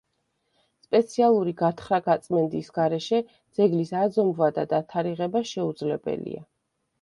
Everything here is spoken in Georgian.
სპეციალური გათხრა-გაწმენდის გარეშე, ძეგლის აზომვა და დათარიღება შეუძლებელია.